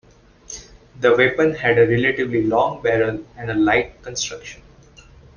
The weapon had a relatively long barrel and a light construction.